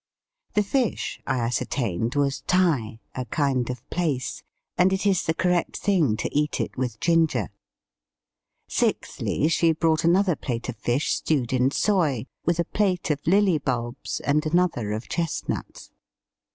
The fish, I ascertained, was tai, Digitized by VjOOQIC DININa AND CREMATING. 15 a kind of plaice, and it is the correct thing to eat it with ginger. Sixthly, she brought another plate of fish stewed in soy, with a plate of lily bulbs and another of chestnuts.